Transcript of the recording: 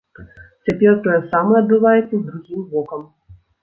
Цяпер тое самае адбываецца з другім вокам.